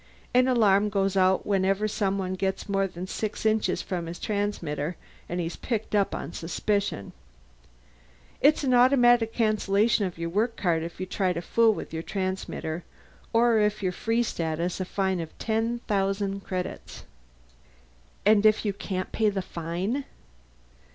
An alarm goes out whenever someone gets more than six inches from his transmitter, and he's picked up on suspicion. It's an automatic cancellation of your work card if you try to fool with your transmitter or if you're Free Status a fine of ten thousand credits." "And if you can't pay the fine?"